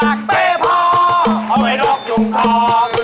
เอาไว้โรคยุงทองลำพองแพ้ฮังเอาไว้โรคยุงทอง